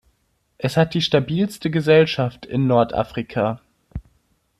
Es hat die stabilste Gesellschaft in Nordafrika.